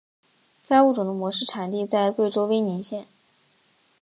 该物种的模式产地在贵州威宁县。